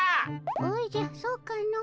おじゃそうかの。